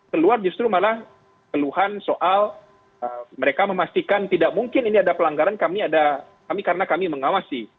keluar justru malah keluhan soal mereka memastikan tidak mungkin ada pelanggaran karena kami mengawasi